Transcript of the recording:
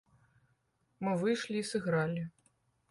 Мы выйшлі і сыгралі.